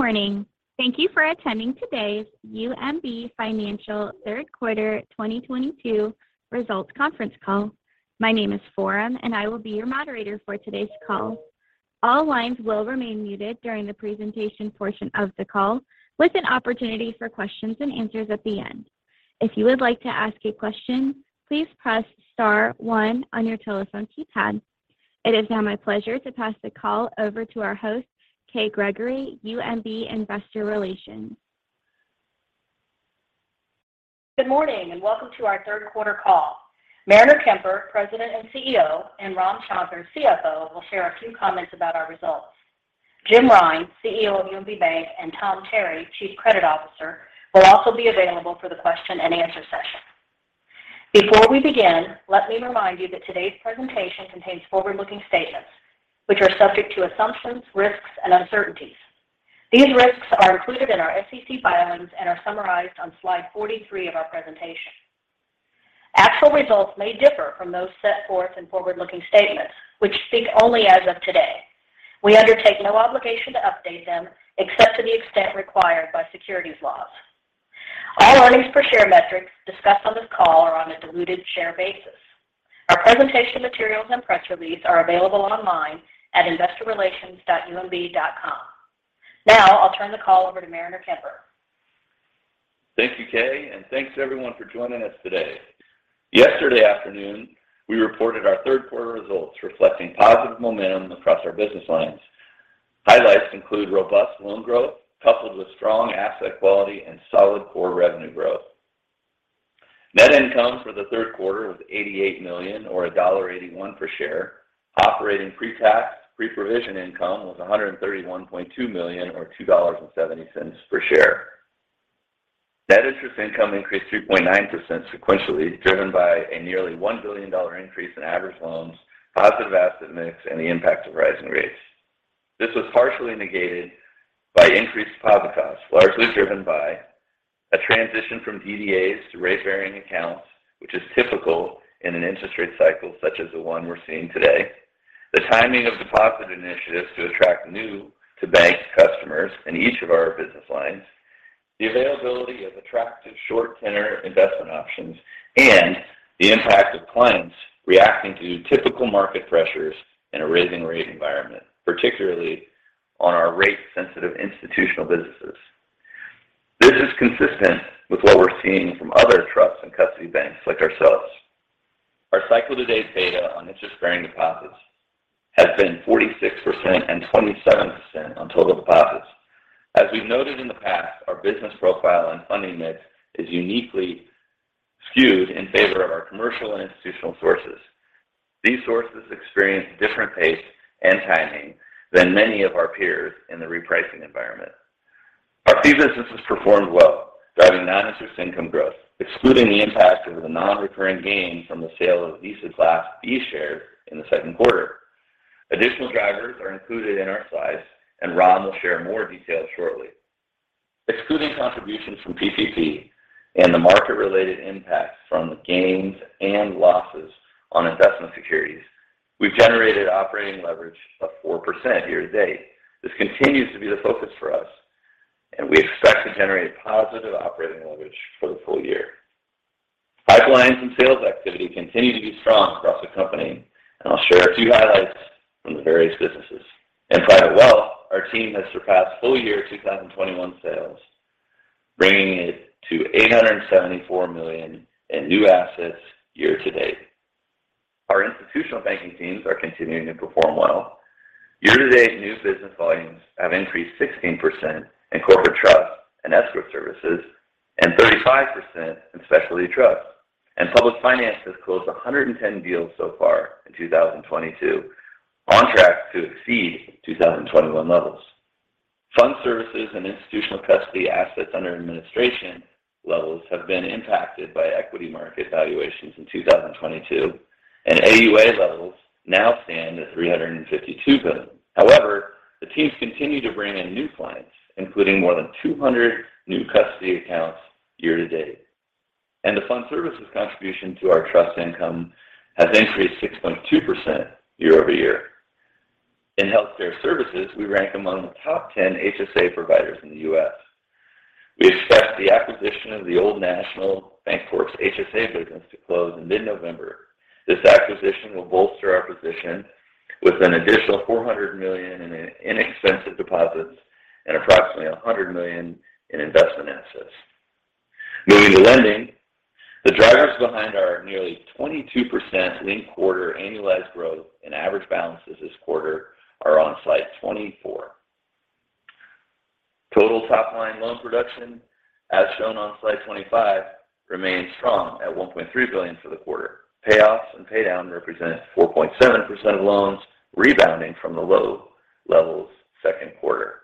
Good morning. Thank you for attending today's UMB Financial third quarter 2022 results conference call. My name is Forum, and I will be your moderator for today's call. All lines will remain muted during the presentation portion of the call with an opportunity for questions and answers at the end. If you would like to ask a question, please press star one on your telephone keypad. It is now my pleasure to pass the call over to our host, Kay Gregory, UMB Investor Relations. Good morning and welcome to our third quarter call. Mariner Kemper, President and CEO, and Ram Shankar, CFO, will share a few comments about our results. Jim Rine, CEO of UMB Bank, and Tom Terry, Chief Credit Officer, will also be available for the question and answer session. Before we begin, let me remind you that today's presentation contains forward-looking statements which are subject to assumptions, risks, and uncertainties. These risks are included in our SEC filings and are summarized on slide 43 of our presentation. Actual results may differ from those set forth in forward-looking statements, which speak only as of today. We undertake no obligation to update them except to the extent required by securities laws. All earnings per share metrics discussed on this call are on a diluted share basis. Our presentation materials and press release are available online at investorrelations.umb.com. Now, I'll turn the call over to Mariner Kemper. Thank you, Kay and thanks everyone for joining us today. Yesterday afternoon, we reported our third quarter results reflecting positive momentum across our business lines. Highlights include robust loan growth coupled with strong asset quality and solid core revenue growth. Net income for the third quarter was $88 million or $1.81 per share. Operating pre-tax, pre-provision income was $131.2 million or $2.70 per share. Net interest income increased 3.9% sequentially, driven by a nearly $1 billion increase in average loans, positive asset mix, and the impact of rising rates. This was partially negated by increased deposit costs, largely driven by a transition from DDAs to rate-varying accounts, which is typical in an interest rate cycle such as the one we're seeing today. The timing of deposit initiatives to attract new to bank customers in each of our business lines, the availability of attractive short tenor investment options, and the impact of clients reacting to typical market pressures in a rising rate environment, particularly on our rate-sensitive institutional businesses. This is consistent with what we're seeing from other trusts and custody banks like ourselves. Our cycle to date data on interest-bearing deposits has been 46% and 27% on total deposits. As we've noted in the past, our business profile and funding mix is uniquely skewed in favor of our commercial and institutional sources. These sources experience different pace and timing than many of our peers in the repricing environment. Our fee businesses performed well, driving non-interest income growth, excluding the impact of the non-recurring gain from the sale of Visa Class B shares in the second quarter. Additional drivers are included in our slides, and Ram will share more details shortly. Excluding contributions from PPP and the market-related impacts from gains and losses on investment securities, we've generated operating leverage of 4% year to date. This continues to be the focus for us, and we expect to generate positive operating leverage for the full year. Pipelines and sales activity continue to be strong across the company, and I'll share a few highlights from the various businesses. In private wealth, our team has surpassed full year 2021 sales, bringing it to $874 million in new assets year to date. Our institutional banking teams are continuing to perform well. Year to date, new business volumes have increased 16% in corporate trust and escrow services and 35% in specialty trust. Public finances closed 110 deals so far in 2022, on track to exceed 2021 levels. Fund services and institutional custody assets under administration levels have been impacted by equity market valuations in 2022, and AUA levels now stand at $352 billion. However, the teams continue to bring in new clients, including more than 200 new custody accounts year to date. The fund services contribution to our trust income has increased 6.2% year-over-year. In healthcare services, we rank among the top 10 HSA providers in the U.S. We expect the acquisition of the Old National Bancorp's HSA business to close in mid-November. This acquisition will bolster our position with an additional $400 million in inexpensive deposits and approximately $100 million in investment assets. Moving to lending, the drivers behind our nearly 22% linked quarter annualized growth in average balances this quarter are on slide 24. Total top-line loan production, as shown on slide 25, remains strong at $1.3 billion for the quarter. Payoffs and paydown represent 4.7% of loans rebounding from the low levels second quarter.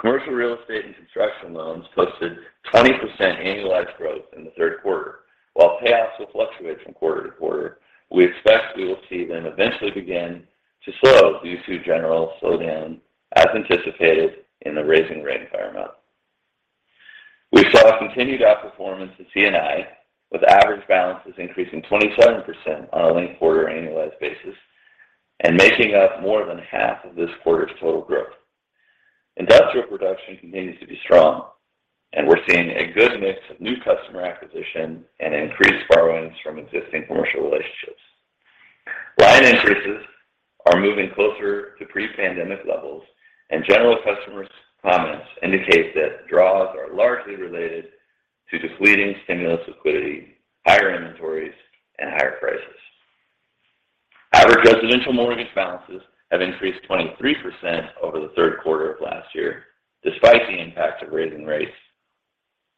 Commercial real estate and construction loans posted 20% annualized growth in the third quarter. While payoffs will fluctuate from quarter to quarter, we expect we will see them eventually begin to slow due to general slowdown as anticipated in the rising rate environment. We saw continued outperformance in C&I with average balances increasing 27% on a linked quarter annualized basis and making up more than half of this quarter's total growth. Industrial production continues to be strong, and we're seeing a good mix of new customer acquisition and increased borrowings from existing commercial relationships. Line increases are moving closer to pre-pandemic levels, and general customers' comments indicate that draws are largely related to depleting stimulus liquidity, higher inventories, and higher prices. Average residential mortgage balances have increased 23% over the third quarter of last year, despite the impacts of raising rates.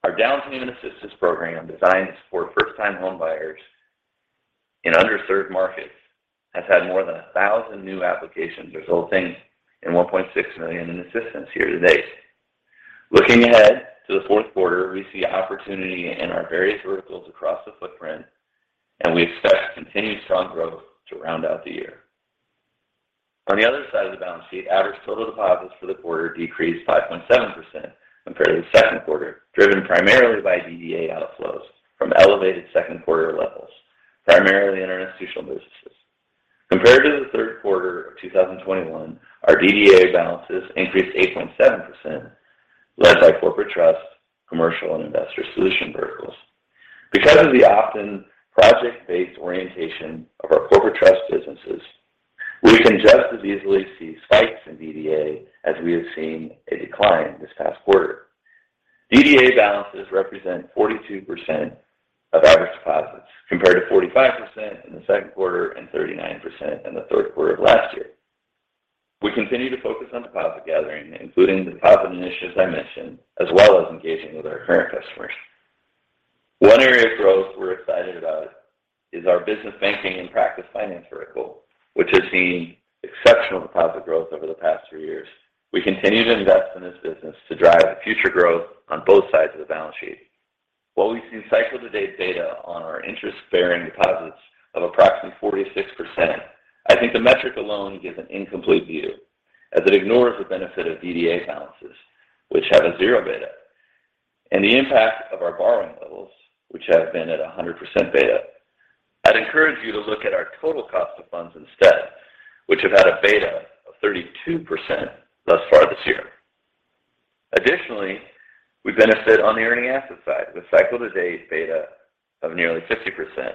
Our down payment assistance program designed to support first-time home buyers in underserved markets has had more than 1,000 new applications resulting in $1.6 million in assistance year to date. Looking ahead to the fourth quarter, we see opportunity in our various verticals across the footprint, and we expect continued strong growth to round out the year. On the other side of the balance sheet, average total deposits for the quarter decreased 5.7% compared to the second quarter, driven primarily by DDA outflows from elevated second quarter levels, primarily in our institutional businesses. Compared to the third quarter of 2021, our DDA balances increased 8.7%, led by corporate trust, commercial, and investor solution verticals. Because of the often project-based orientation of our corporate trust businesses, we can just as easily see spikes in DDA as we have seen a decline this past quarter. DDA balances represent 42% of average deposits, compared to 45% in the second quarter and 39% in the third quarter of last year. We continue to focus on deposit gathering, including deposit initiatives I mentioned, as well as engaging with our current customers. One area of growth we're excited about is our business banking and practice finance vertical, which has seen exceptional deposit growth over the past two years. We continue to invest in this business to drive future growth on both sides of the balance sheet. While we've seen cycle to date data on our interest-bearing deposits of approximately 46%, I think the metric alone gives an incomplete view as it ignores the benefit of DDA balances which have a zero beta, and the impact of our borrowing levels, which have been at a 100% beta. I'd encourage you to look at our total cost of funds instead which have had a beta of 32% thus far this year. Additionally, we benefit on the earning asset side with cycle to date beta of nearly 50%.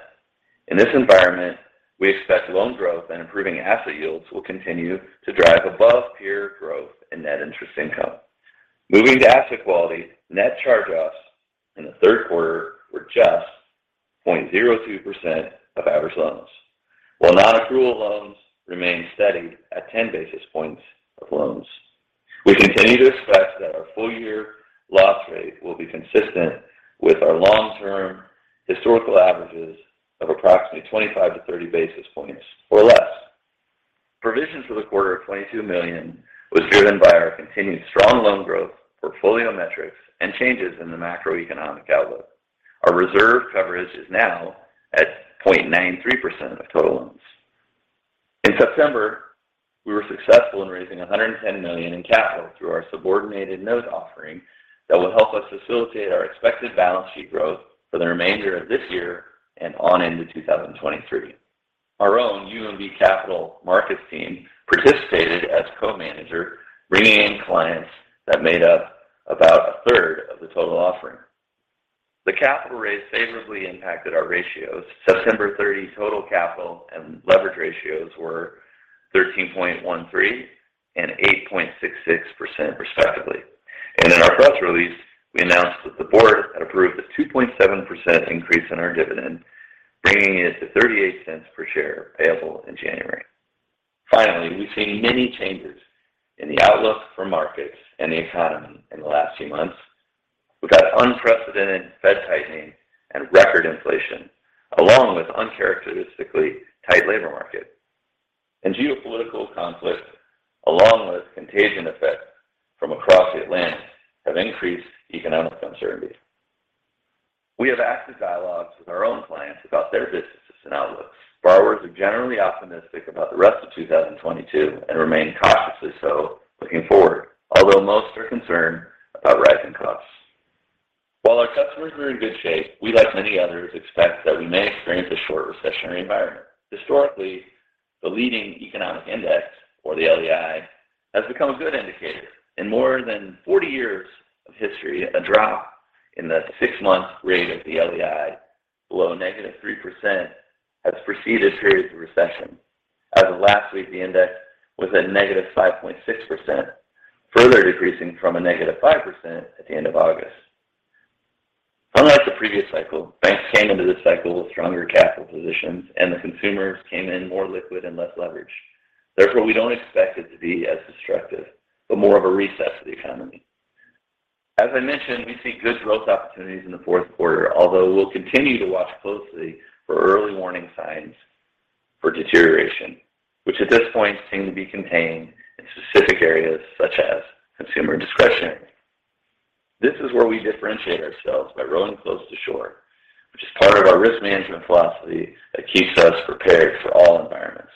In this environment, we expect loan growth and improving asset yields will continue to drive above-peer growth in net interest income. Moving to asset quality, net charge-offs in the third quarter were just 0.02% of average loans. While non-accrual loans remain steady at 10 basis points of loans. We continue to expect that our full year loss rate will be consistent with our long-term historical averages of approximately 25-30 basis points or less. Provision for the quarter of $22 million was driven by our continued strong loan growth, portfolio metrics, and changes in the macroeconomic outlook. Our reserve coverage is now at 0.93% of total loans. In September, we were successful in raising $110 million in capital through our subordinated note offering that will help us facilitate our expected balance sheet growth for the remainder of this year and on into 2023. Our own UMB Capital Markets team participated as co-manager, bringing in clients that made up about a third of the total offering. The capital raise favorably impacted our ratios. September 30 total capital and leverage ratios were 13.13% and 8.66% respectively. In our press release, we announced that the board had approved a 2.7% increase in our dividend, bringing it to $0.38 per share payable in January. Finally, we've seen many changes in the outlook for markets and the economy in the last few months. We've got unprecedented Fed tightening and record inflation, along with uncharacteristically tight labor market. Geopolitical conflict, along with contagion effects from across the Atlantic, have increased economic uncertainty. We have active dialogues with our own clients about their businesses and outlooks. Borrowers are generally optimistic about the rest of 2022 and remain cautiously so looking forward. Although most are concerned about rising costs. While our customers are in good shape, we, like many others, expect that we may experience a short recessionary environment. Historically, the leading economic index, or the LEI, has become a good indicator. In more than 40 years of history, a drop in the six-month rate of the LEI below -3% has preceded periods of recession. As of last week, the index was at -5.6%, further decreasing from a -5% at the end of August. Unlike the previous cycle, banks came into this cycle with stronger capital positions, and the consumers came in more liquid and less leveraged. Therefore, we don't expect it to be as destructive, but more of a recession to the economy. As I mentioned, we see good growth opportunities in the fourth quarter, although we'll continue to watch closely for early warning signs for deterioration, which at this point seem to be contained in specific areas such as consumer discretionary. This is where we differentiate ourselves by rowing close to shore, which is part of our risk management philosophy that keeps us prepared for all environments.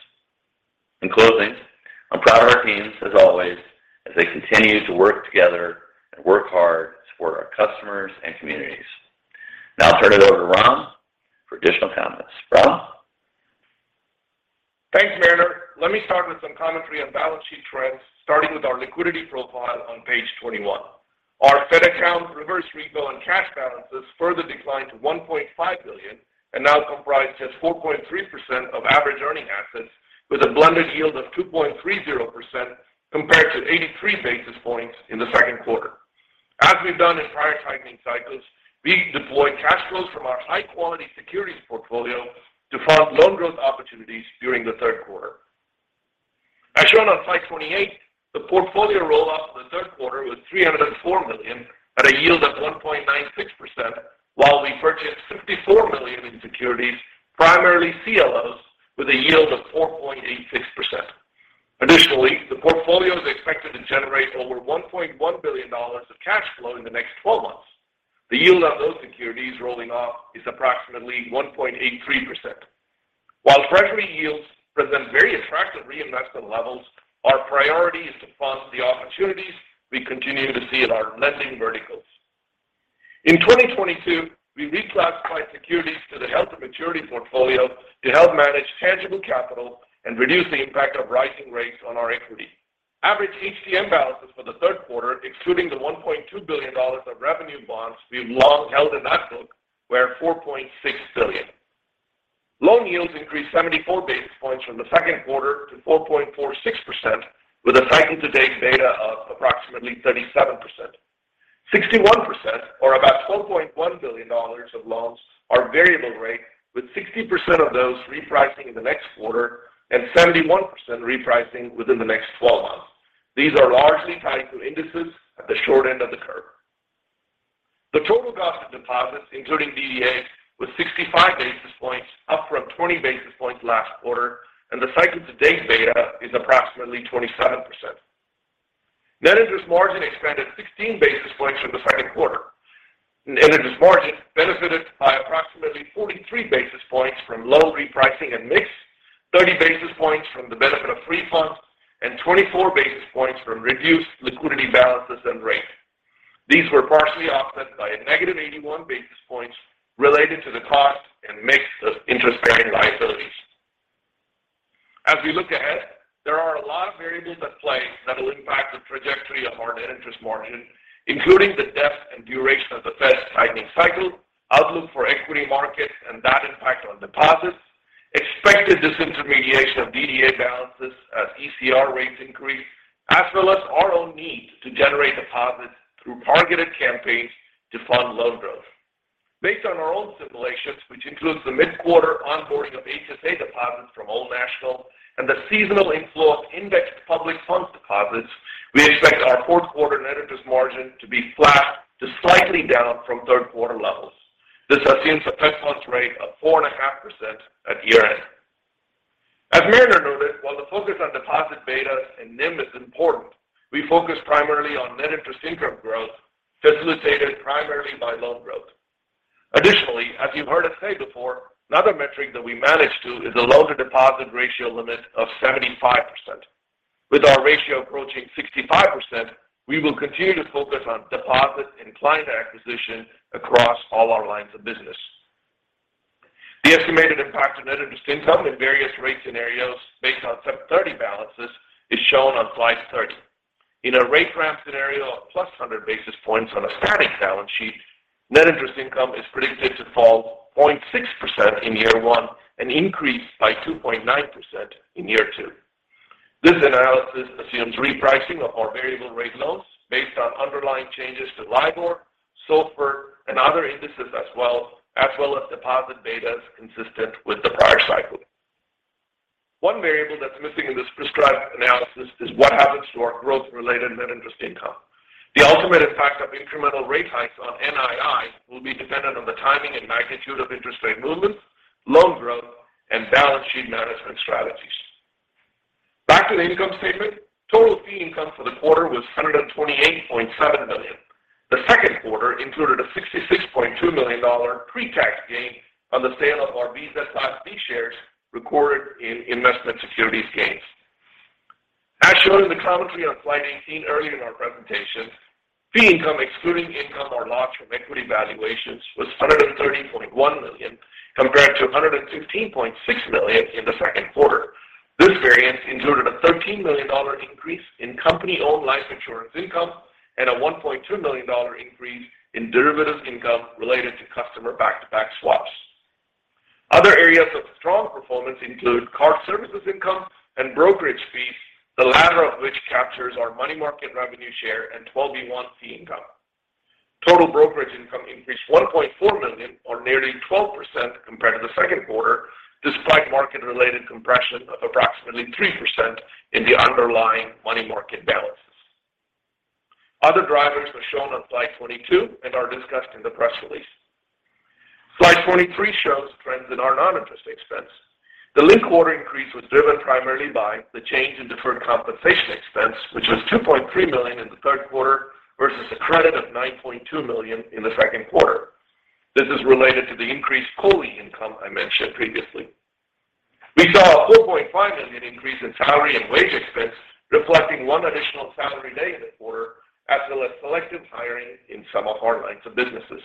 In closing, I'm proud of our teams as always as they continue to work together and work hard for our customers and communities. Now I'll turn it over to Ram for additional comments. Ram? Thanks, Mariner. Let me start with some commentary on balance sheet trends, starting with our liquidity profile on page 21. Our Fed account reverse repo and cash balances further declined to $1.5 billion and now comprise just 4.3% of average earning assets with a blended yield of 2.30% compared to 83 basis points in the second quarter. As we've done in prior tightening cycles, we deployed cash flows from our high-quality securities portfolio to fund loan growth opportunities during the third quarter. As shown on slide 28, the portfolio rollout for the third quarter was $304 million at a yield of 1.96%, while we purchased $54 million in securities, primarily CLOs, with a yield of 4.86%. The portfolio is expected to generate over $1.1 billion of cash flow in the next 12 months. The yield on those securities rolling off is approximately 1.83%. While treasury yields present very attractive reinvestment levels, our priority is to fund the opportunities we continue to see in our lending verticals. In 2022, we reclassified securities to the held-to-maturity portfolio to help manage tangible capital and reduce the impact of rising rates on our equity. Average HTM balances for the third quarter, excluding the $1.2 billion of revenue bonds we've long held in that book, were $4.6 billion. Loan yields increased 74 basis points from the second quarter to 4.46%, with a cycle-to-date beta of approximately 37%. 61% or about $12.1 billion of loans are variable rate, with 60% of those repricing in the next quarter and 71% repricing within the next twelve months. These are largely tied to indices at the short end of the curve. The total cost of deposits, including DDA, was 65 basis points, up from 20 basis points last quarter, and the cycle-to-date beta is approximately 27%. Net interest margin expanded 16 basis points from the second quarter. Net interest margin benefited by approximately 43 basis points from low repricing and mix, 30 basis points from the benefit of free funds, and 24 basis points from reduced liquidity balances and rate. These were partially offset by a negative 81 basis points related to the cost and mix of interest-bearing liabilities. As we look ahead, there are a lot of variables at play that will impact the trajectory of our net interest margin, including the depth and duration of the Fed's tightening cycle, outlook for equity markets and that impact on deposits, expected disintermediation of DDA balances as ECR rates increase, as well as our own need to generate deposits through targeted campaigns to fund loan growth. Based on our own simulations, which includes the mid-quarter onboarding of HSA deposits from Old National and the seasonal inflow of indexed public fund deposits, we expect our fourth quarter net interest margin to be flat to slightly down from third-quarter levels. This assumes a Fed funds rate of 4.5% at year-end. As Mariner noted, while the focus on deposit betas and NIM is important, we focus primarily on net interest income growth facilitated primarily by loan growth. Additionally, as you've heard us say before, another metric that we manage to is a loan-to-deposit ratio limit of 75%. With our ratio approaching 65%, we will continue to focus on deposit and client acquisition across all our lines of business. The estimated impact of net interest income in various rate scenarios based on September 30 balances is shown on slide 30. In a rate ramp scenario of +100 basis points on a static balance sheet, net interest income is predicted to fall 0.6% in year one and increase by 2.9% in year two. This analysis assumes repricing of our variable rate loans based on underlying changes to LIBOR, SOFR, and other indices as well as deposit betas consistent with the prior cycle. One variable that's missing in this prescribed analysis is what happens to our growth-related net interest income. The ultimate impact of incremental rate hikes on NII will be dependent on the timing and magnitude of interest rate movements, loan growth, and balance sheet management strategies. Back to the income statement. Total fee income for the quarter was $128.7 million. The second quarter included a $66.2 million pre-tax gain on the sale of our Visa Class B shares recorded in investment securities gains. As shown in the commentary on slide 18 earlier in our presentation, fee income excluding income or loss from equity valuations was $130.1 million compared to $116.6 million in the second quarter. This variance included a $13 million increase in company-owned life insurance income and a $1.2 million increase in derivatives income related to customer back-to-back swaps. Other areas of strong performance include card services income and brokerage fees, the latter of which captures our money market revenue share and 12b-1 fee income. Total brokerage income increased $1.4 million or nearly 12% compared to the second quarter, despite market-related compression of approximately 3% in the underlying money market balances. Other drivers are shown on slide 22 and are discussed in the press release. Slide 23 shows trends in our non-interest expense. The linked quarter increase was driven primarily by the change in deferred compensation expense, which was $2.3 million in the third quarter versus a credit of $9.2 million in the second quarter. This is related to the increased pooling income I mentioned previously. We saw a $4.5 million increase in salary and wage expense, reflecting one additional salary day in the quarter, as well as selective hiring in some of our lines of businesses.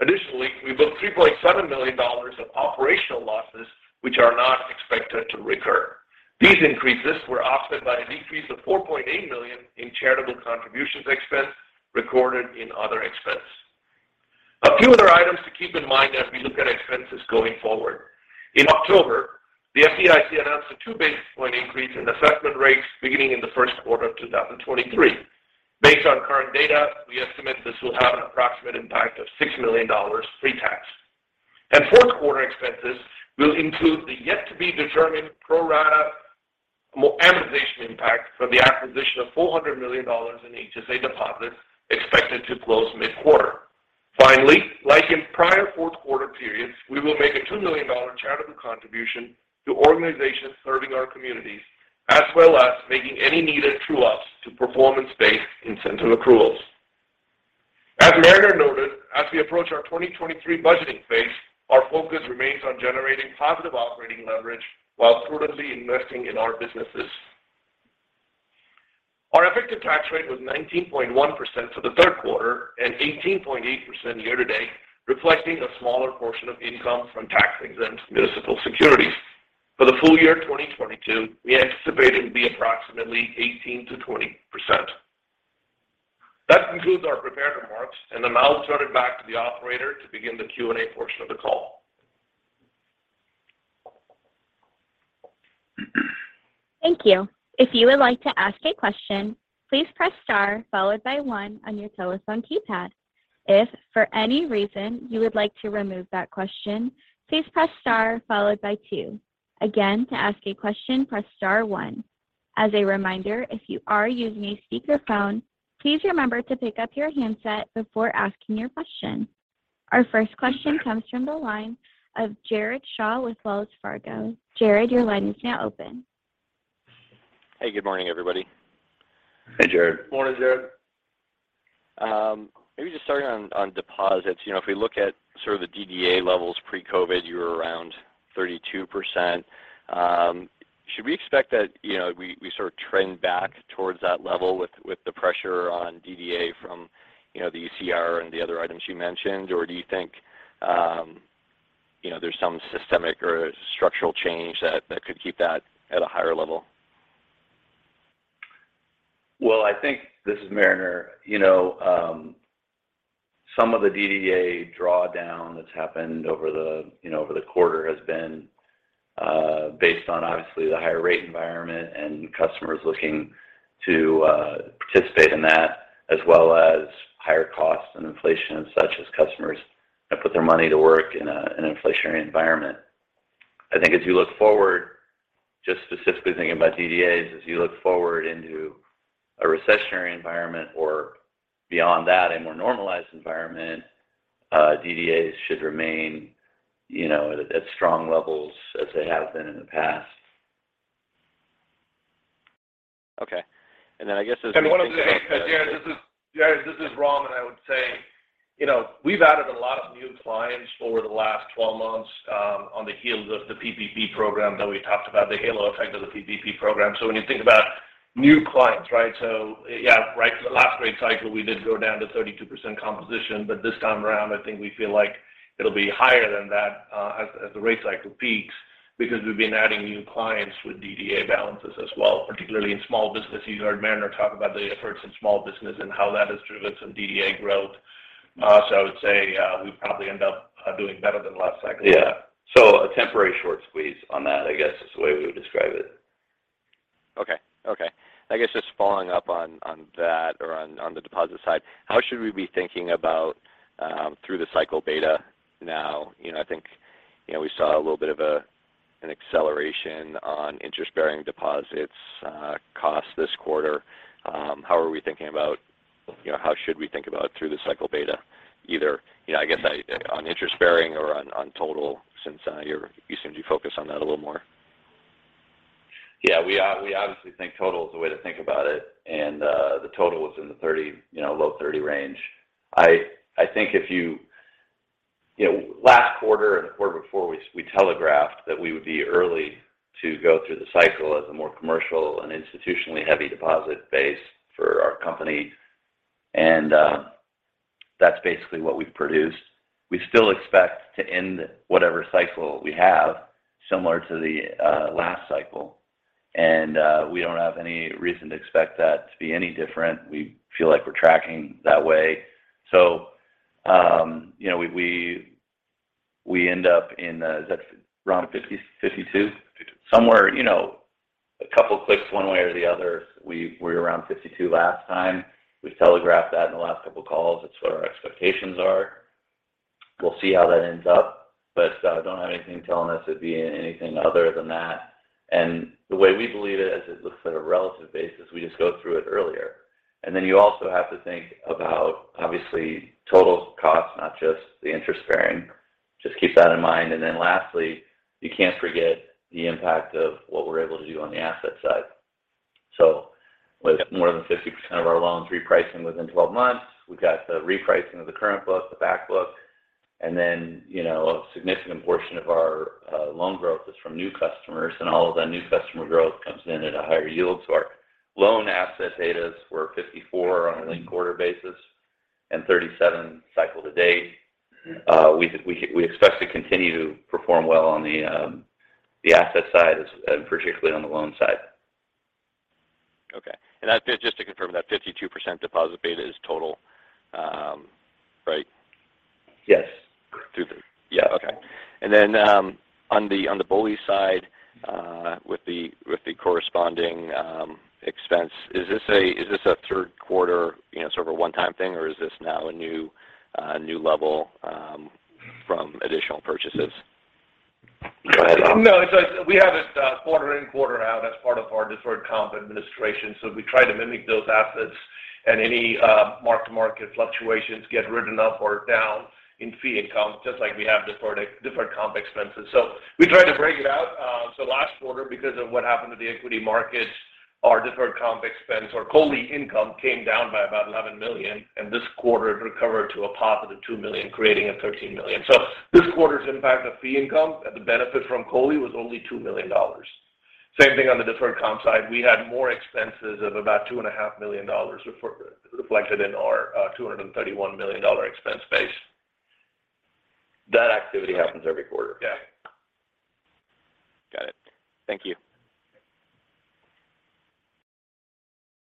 Additionally, we booked $3.7 million of operational losses, which are not expected to recur. These increases were offset by a decrease of $4.8 million in charitable contributions expense recorded in other expense. A few other items to keep in mind as we look at expenses going forward. In October, the FDIC announced a 2 basis point increase in assessment rates beginning in the first quarter of 2023. Based on current data, we estimate this will have an approximate impact of $6 million pre-tax. Fourth quarter expenses will include the yet to be determined pro rata amortization impact from the acquisition of $400 million in HSA deposits expected to close mid-quarter. Finally, like in prior fourth quarter periods, we will make a $2 million charitable contribution to organizations serving our communities, as well as making any needed true ups to performance-based incentive accruals. As Mariner noted, as we approach our 2023 budgeting phase, our focus remains on generating positive operating leverage while prudently investing in our businesses. Our effective tax rate was 19.1% for the third quarter and 18.8% year to date, reflecting a smaller portion of income from tax-exempt municipal securities. For the full year of 2022, we anticipate it to be approximately 18%-20%. That concludes our prepared remarks, and then I'll turn it back to the operator to begin the Q&A portion of the call. Thank you. If you would like to ask a question, please press star followed by one on your telephone keypad. If for any reason you would like to remove that question, please press star followed by two. Again, to ask a question, press star one. As a reminder, if you are using a speakerphone, please remember to pick up your handset before asking your question. Our first question comes from the line of Jared Shaw with Wells Fargo. Jared, your line is now open. Hey, good morning, everybody. Hey, Jared. Morning, Jared. Maybe just starting on deposits. You know, if we look at sort of the DDA levels pre-COVID, you were around 32%. Should we expect that, you know, we sort of trend back towards that level with the pressure on DDA from, you know, the ECR and the other items you mentioned? Or do you think, you know, there's some systemic or structural change that could keep that at a higher level? This is Mariner. You know, some of the DDA drawdown that's happened over the, you know, over the quarter has been based on obviously the higher rate environment and customers looking to participate in that, as well as higher costs and inflation, such as customers that put their money to work in an inflationary environment. I think as you look forward, just specifically thinking about DDAs, as you look forward into a recessionary environment or beyond that, a more normalized environment, DDAs should remain, you know, at strong levels as they have been in the past. Okay. I guess as we think about that. One other thing, Jared. Jared, this is Ram, and I would say, you know, we've added a lot of new clients over the last 12 months, on the heels of the PPP program that we talked about, the halo effect of the PPP program. So when you think about new clients, right? So yeah, right, the last rate cycle, we did go down to 32% composition. But this time around, I think we feel like it'll be higher than that, as the rate cycle peaks because we've been adding new clients with DDA balances as well, particularly in small business. You heard Mariner talk about the efforts in small business and how that has driven some DDA growth. So I would say, we probably end up doing better than the last cycle. Yeah. A temporary short squeeze on that, I guess, is the way we would describe it. Okay. I guess just following up on that or on the deposit side, how should we be thinking about through the cycle beta now? You know, I think, you know, we saw a little bit of an acceleration on interest-bearing deposits cost this quarter. How are we thinking about, you know, how should we think about through the cycle beta, either, you know, I guess on interest-bearing or on total since you seem to be focused on that a little more. Yeah. We obviously think total is the way to think about it. The total is in the 30, you know, low 30 range. I think if you. You know, last quarter and the quarter before, we telegraphed that we would be early to go through the cycle as a more commercial and institutionally heavy deposit base for our company. That's basically what we've produced. We still expect to end whatever cycle we have similar to the last cycle. We don't have any reason to expect that to be any different. We feel like we're tracking that way. You know, we end up in. Is that around 50-52? Fifty-two. Somewhere, you know, a couple clicks one way or the other. We were around 52 last time. We telegraphed that in the last couple of calls. It's what our expectations are. We'll see how that ends up. I don't have anything telling us it'd be anything other than that. The way we believe it, as it looks at a relative basis, we just go through it earlier. You also have to think about obviously total cost, not just the interest bearing. Keep that in mind. Lastly, you can't forget the impact of what we're able to do on the asset side. With more than 50% of our loans repricing within 12 months, we've got the repricing of the current book, the back book, and then, you know, a significant portion of our loan growth is from new customers, and all of that new customer growth comes in at a higher yield. Our loan asset betas were 54 on a linked quarter basis and 37 cycle to date. We expect to continue to perform well on the asset side, and particularly on the loan side. Okay. That's just to confirm that 52% deposit beta is total, right? Yes. On the BOLI side, with the corresponding expense, is this a third quarter, you know, sort of a one-time thing, or is this now a new level from additional purchases? Go ahead, Ram. No. It's we have it quarter in, quarter out as part of our deferred comp administration. We try to mimic those assets and any mark-to-market fluctuations get written up or down in fee income, just like we have deferred comp expenses. We try to break it out. Last quarter, because of what happened to the equity markets, our deferred comp expense or COLI income came down by about $11 million, and this quarter it recovered to a positive $2 million, creating a $13 million. This quarter's impact of fee income at the benefit from COLI was only $2 million. Same thing on the deferred comp side. We had more expenses of about $2.5 million reflected in our $231 million expense base. That activity happens every quarter. Yeah. Got it. Thank you.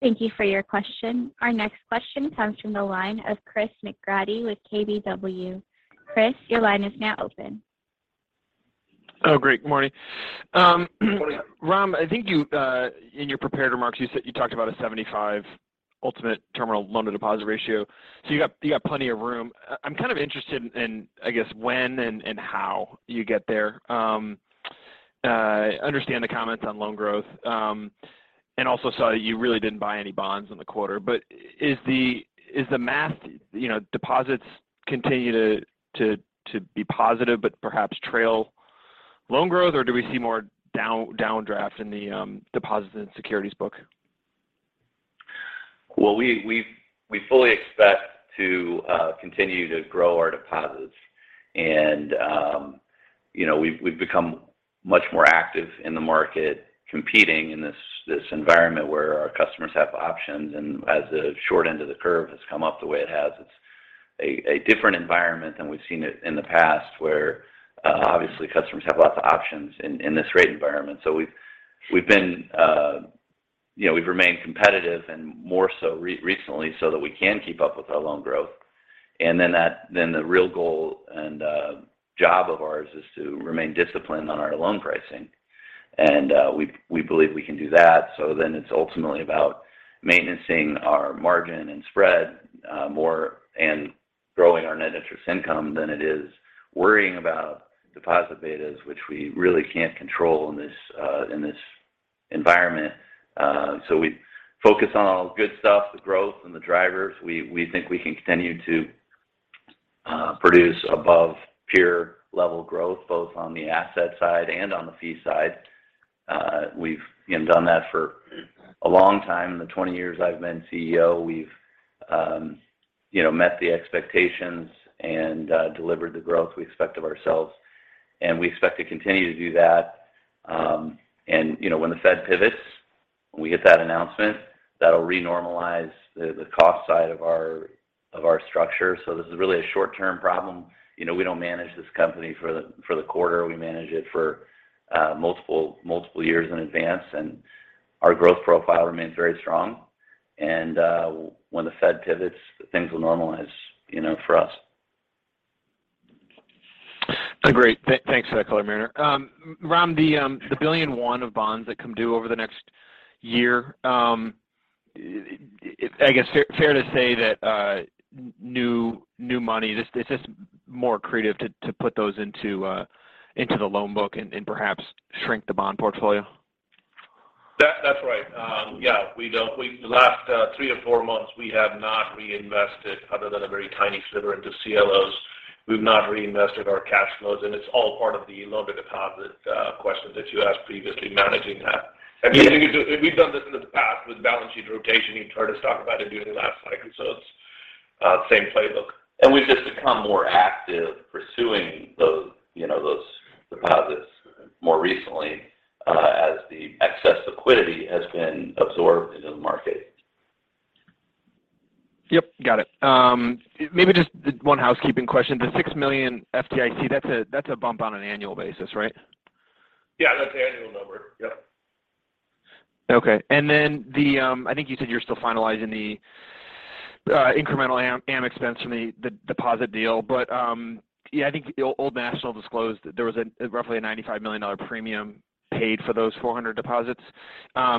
Thank you for your question. Our next question comes from the line of Chris McGratty with KBW. Chris, your line is now open. Oh, great. Good morning. Morning. Ram, I think you in your prepared remarks, you said you talked about a 75 ultimate terminal loan-to-deposit ratio. You got plenty of room. I'm kind of interested in, I guess when and how you get there. Understand the comments on loan growth, and also saw that you really didn't buy any bonds in the quarter. Is the math, you know, deposits continue to be positive but perhaps trail loan growth, or do we see more downdraft in the deposits and securities book? Well, we fully expect to continue to grow our deposits. You know, we've become much more active in the market competing in this environment where our customers have options. As the short end of the curve has come up the way it has, it's a different environment than we've seen it in the past, where obviously customers have lots of options in this rate environment. We've been, you know, we've remained competitive and more so recently so that we can keep up with our loan growth. Then the real goal and job of ours is to remain disciplined on our loan pricing. We believe we can do that. It's ultimately about maintaining our margin and spread, more and growing our net interest income than it is worrying about deposit betas, which we really can't control in this environment. We focus on all the good stuff, the growth and the drivers. We think we can continue to produce above peer level growth, both on the asset side and on the fee side. We've, you know, done that for a long time. In the 20 years I've been CEO, we've, you know, met the expectations and delivered the growth we expect of ourselves, and we expect to continue to do that. You know, when the Fed pivots, when we get that announcement, that'll re-normalize the cost side of our structure. This is really a short-term problem. You know, we don't manage this company for the quarter. We manage it for multiple years in advance, and our growth profile remains very strong. When the Fed pivots, things will normalize, you know, for us. Great. Thanks for that color, Mariner. Ram, the $1 billion of bonds that come due over the next year, is it fair to say that new money, it's just more accretive to put those into the loan book and perhaps shrink the bond portfolio? That's right. Yeah. We, the last 3-4 months, we have not reinvested other than a very tiny sliver into CLOs. We've not reinvested our cash flows, and it's all part of the loan-to-deposit question that you asked previously, managing that. I mean, we've done this in the past with balance sheet rotation. You've heard us talk about it during the last cycle. It's same playbook. We've just become more active pursuing those, you know, those deposits more recently, as the excess liquidity has been absorbed into the market. Yep. Got it. Maybe just one housekeeping question. The $6 million FDIC, that's a bump on an annual basis, right? Yeah. That's the annual number. Yep. Okay. Then I think you said you're still finalizing the incremental amortization expense from the deposit deal. Yeah, I think the Old National disclosed there was roughly a $95 million premium paid for those 400 deposits. How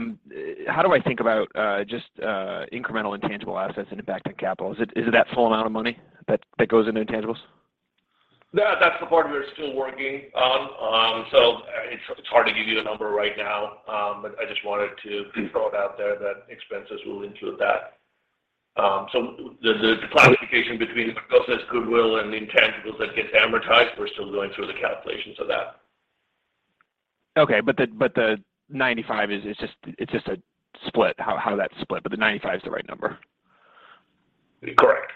do I think about just incremental intangible assets and impact on capital? Is it that full amount of money that goes into intangibles? That's the part we're still working on. It's hard to give you a number right now. But I just wanted to throw it out there that expenses will include that. The classification between the purchase goodwill and the intangibles that gets amortized, we're still going through the calculations of that. The 95 is just a split. How that's split, the 95 is the right number. Correct.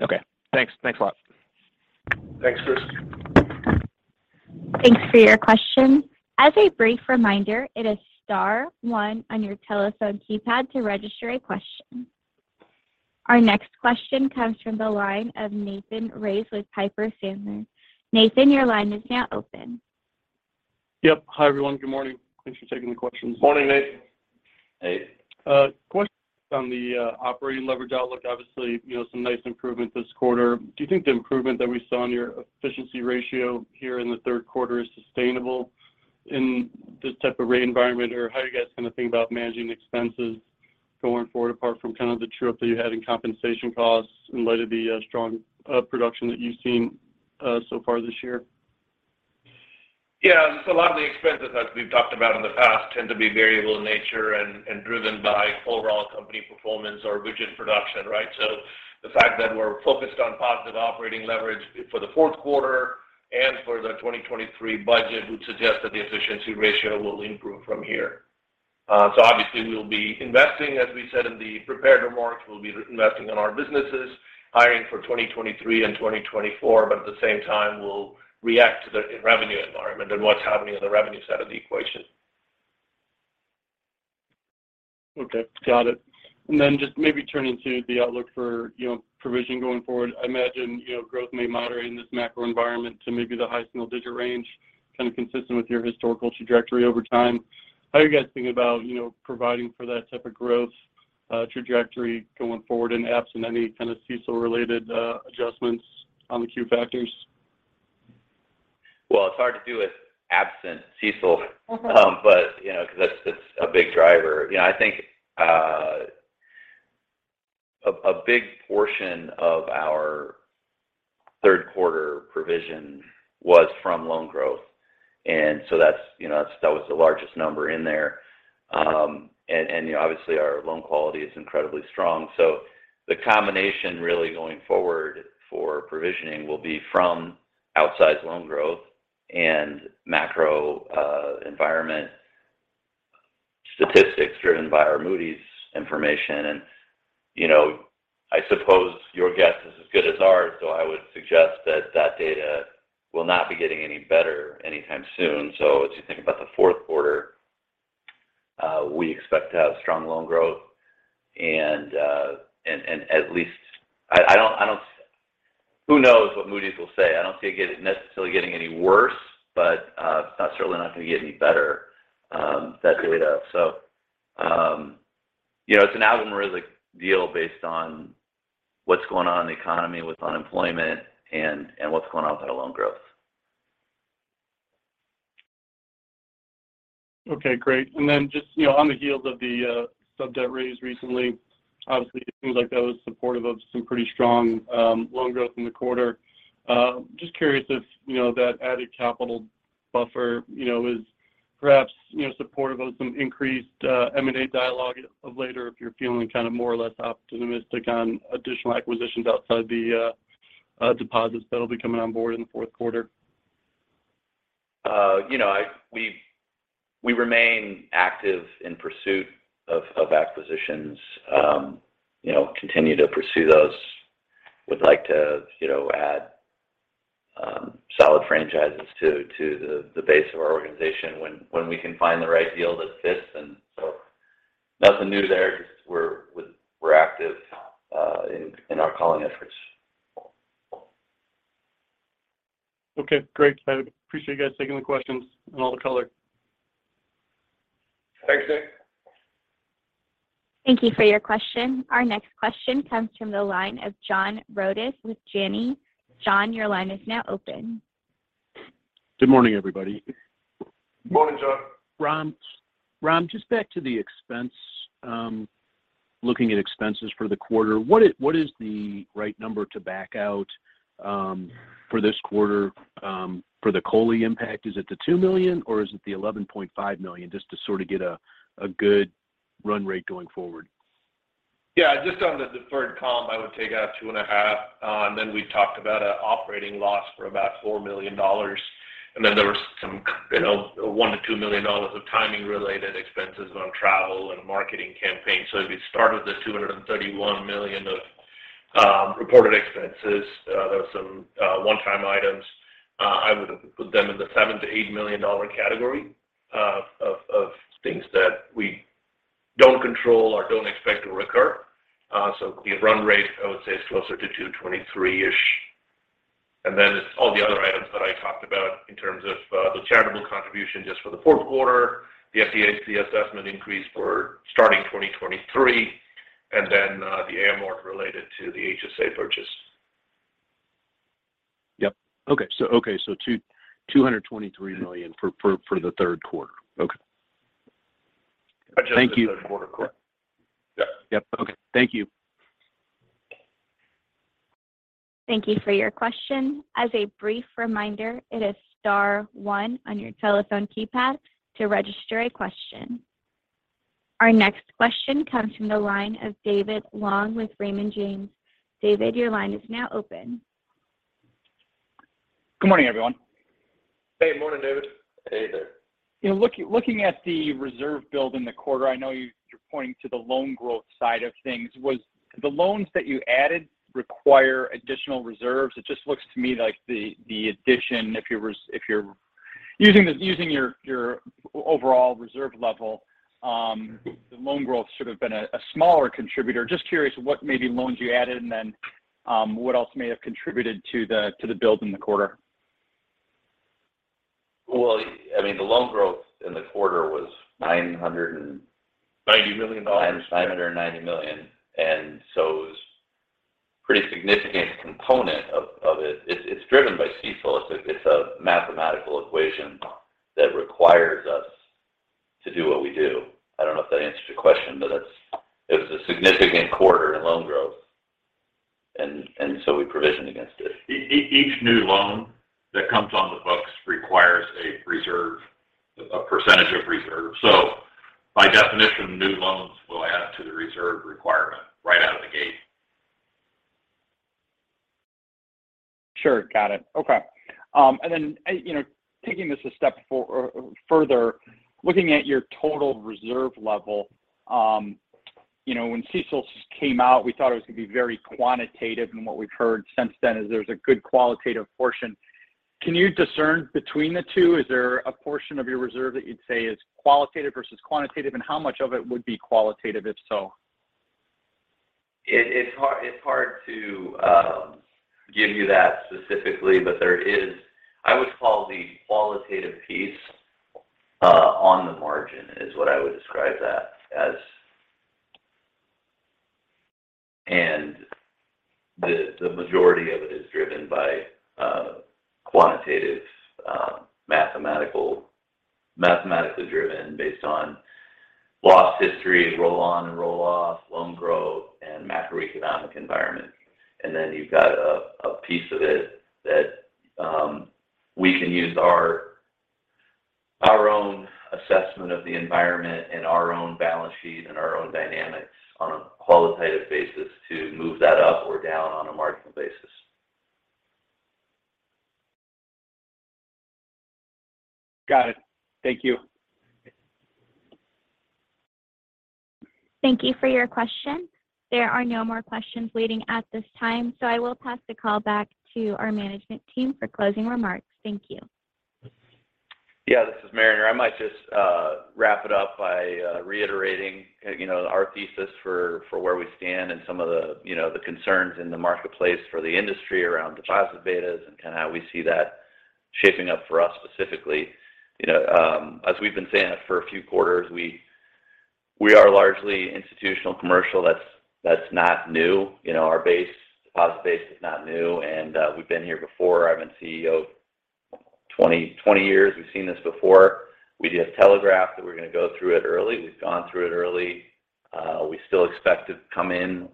Okay. Thanks. Thanks a lot. Thanks, Chris. Thanks for your question. As a brief reminder, it is star one on your telephone keypad to register a question. Our next question comes from the line of Nathan Race with Piper Sandler. Nathan, your line is now open. Yep. Hi, everyone. Good morning. Thanks for taking the questions. Morning, Nate. Hey. Question on the operating leverage outlook. Obviously, you know, some nice improvement this quarter. Do you think the improvement that we saw in your efficiency ratio here in the third quarter is sustainable in this type of rate environment? Or how are you guys going to think about managing expenses going forward, apart from kind of the uptick that you had in compensation costs in light of the strong production that you've seen so far this year? Yeah. A lot of the expenses as we've talked about in the past tend to be variable in nature and driven by overall company performance or revenue production, right? The fact that we're focused on positive operating leverage for the fourth quarter and for the 2023 budget would suggest that the efficiency ratio will improve from here. Obviously we'll be investing, as we said in the prepared remarks, we'll be investing in our businesses, hiring for 2023 and 2024. At the same time, we'll react to the revenue environment and what's happening on the revenue side of the equation. Okay. Got it. Then just maybe turning to the outlook for, you know, provision going forward. I imagine, you know, growth may moderate in this macro environment to maybe the high single-digit range, kind of consistent with your historical trajectory over time. How are you guys thinking about, you know, providing for that type of growth, trajectory going forward and absent any kind of CECL-related, adjustments on the Q factors? Well, it's hard to do it absent CECL. Mm-hmm. You know, because that's a big driver. You know, I think a big portion of our third quarter provision was from loan growth. That's you know, that was the largest number in there. You know, obviously our loan quality is incredibly strong. The combination really going forward for provisioning will be from outsized loan growth and macro environment statistics driven by our Moody's information. You know, I suppose your guess is as good as ours, so I would suggest that data will not be getting any better anytime soon. As you think about the fourth quarter, we expect to have strong loan growth and at least. I don't. Who knows what Moody's will say. I don't see it necessarily getting any worse, but it's not certainly going to get any better, that data. You know, it's an algorithmic deal based on what's going on in the economy with unemployment and what's going on with that loan growth. Okay, great. Just, you know, on the heels of the sub-debt raise recently, obviously it seems like that was supportive of some pretty strong loan growth in the quarter. Just curious if, you know, that added capital buffer, you know, is perhaps, you know, supportive of some increased M&A dialogue or later, if you're feeling kind of more or less optimistic on additional acquisitions outside the deposits that'll be coming on board in the fourth quarter. You know, we remain active in pursuit of acquisitions. You know, continue to pursue those. Would like to, you know, add solid franchises to the base of our organization when we can find the right deal that fits. Nothing new there, just we're active in our calling efforts. Okay, great. I appreciate you guys taking the questions and all the color. Thanks, Nate. Thank you for your question. Our next question comes from the line of John Rodis with Janney. John, your line is now open. Good morning, everybody. Morning, John. Ram, just back to the expense. Looking at expenses for the quarter, what is the right number to back out for this quarter for the COLI impact? Is it the $2 million or is it the $11.5 million? Just to sort of get a good run rate going forward. Yeah. Just on the deferred comp, I would take out $2.5. Then we've talked about an operating loss for about $4 million. There was some, you know, $1 million-$2 million of timing-related expenses on travel and a marketing campaign. If you start with the $231 million of reported expenses, there were some one-time items. I would put them in the $7 million-$8 million category of things that we don't control or don't expect to recur. The run rate, I would say, is closer to $223-ish. It's all the other items that I talked about in terms of the charitable contribution just for the fourth quarter, the FDIC assessment increase for starting 2023, and then the AMOR related to the HSA purchase. Yep. Okay. Okay. $223 million for the third quarter. Okay. Thank you. Adjusted for the third quarter. Correct. Yeah. Yep. Okay. Thank you. Thank you for your question. As a brief reminder, it is star one on your telephone keypad to register a question. Our next question comes from the line of David Long with Raymond James. David, your line is now open. Good morning, everyone. Hey. Morning, David. Hey there. You know, looking at the reserve build in the quarter, I know you're pointing to the loan growth side of things. Were the loans that you added require additional reserves? It just looks to me like the addition, if you're using your overall reserve level, the loan growth should've been a smaller contributor. Just curious what maybe loans you added and then, what else may have contributed to the build in the quarter. Well, I mean, the loan growth in the quarter was 900 and- $90 million $990 million. It was a pretty significant component of it. It's driven by CECL. It's a mathematical equation that requires us to do what we do. I don't know if that answers your question, but it was a significant quarter in loan growth. We provisioned against it. Each new loan that comes on the books requires a reserve, a percentage of reserve. By definition, new loans will add to the reserve requirement right out of the gate. Sure. Got it. Okay. You know, taking this a step further, looking at your total reserve level, you know, when CECL came out, we thought it was gonna be very quantitative, and what we've heard since then is there's a good qualitative portion. Can you discern between the two? Is there a portion of your reserve that you'd say is qualitative versus quantitative, and how much of it would be qualitative, if so? It's hard to give you that specifically, but I would call the qualitative piece on the margin is what I would describe that as. The majority of it is driven by quantitative, mathematically driven based on loss history, roll on and roll off, loan growth, and macroeconomic environment. Then you've got a piece of it that we can use our own assessment of the environment and our own balance sheet and our own dynamics on a qualitative basis to move that up or down on a marginal basis. Got it. Thank you. Thank you for your question. There are no more questions waiting at this time, so I will pass the call back to our management team for closing remarks. Thank you. This is Mariner. I might just wrap it up by reiterating, you know, our thesis for where we stand and some of the, you know, the concerns in the marketplace for the industry around deposit betas and kind of how we see that shaping up for us specifically. You know, as we've been saying it for a few quarters, we are largely institutional commercial. That's not new. You know, our base, deposit base is not new and we've been here before. I've been CEO 20 years. We've seen this before. We just telegraphed that we're gonna go through it early. We've gone through it early. We still expect to come in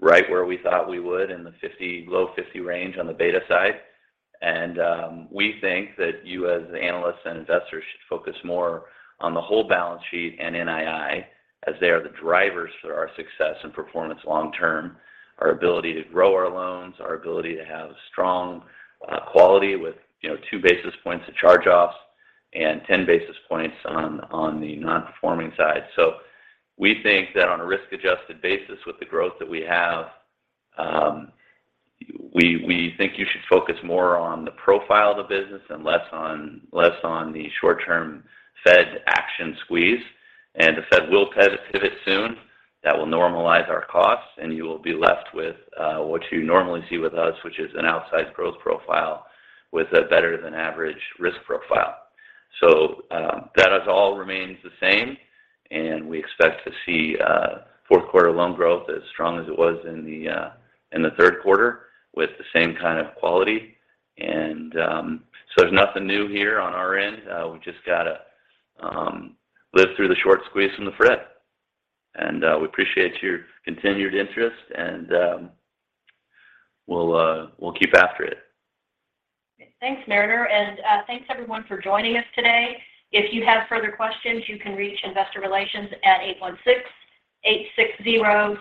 right where we thought we would in the 50, low 50 range on the beta side. We think that you as analysts and investors should focus more on the whole balance sheet and NII, as they are the drivers for our success and performance long term, our ability to grow our loans, our ability to have strong quality with, you know, 2 basis points of charge-offs and 10 basis points on the non-performing side. We think that on a risk-adjusted basis with the growth that we have, we think you should focus more on the profile of the business and less on the short-term Fed action squeeze. The Fed will pivot soon. That will normalize our costs, and you will be left with what you normally see with us, which is an outsized growth profile with a better than average risk profile. That is all remains the same, and we expect to see fourth quarter loan growth as strong as it was in the third quarter with the same kind of quality. There's nothing new here on our end. We just gotta live through the short squeeze from the Fed. We appreciate your continued interest and we'll keep after it. Thanks, Mariner. Thanks everyone for joining us today. If you have further questions, you can reach investor relations at 816-860-7106.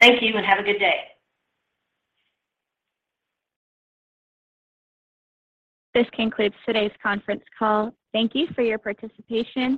Thank you and have a good day. This concludes today's conference call. Thank you for your participation.